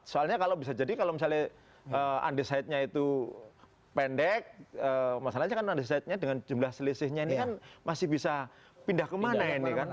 soalnya kalau bisa jadi kalau misalnya undecidenya itu pendek masalahnya kan undecidenya dengan jumlah selisihnya ini kan masih bisa pindah kemana ini kan